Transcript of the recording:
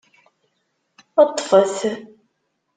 Ṭṭfet.